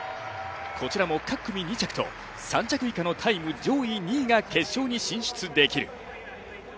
こちらも各組２着と３着以下のタイム上位２位が決勝に進出できる。